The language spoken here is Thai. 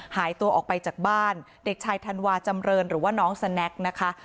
หายตัวออกไปจากบ้านเด็กชายธันวาจำเรินหรือว่าน้องสแน็กนะคะ